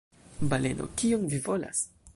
Baleno: "Kion vi volas?"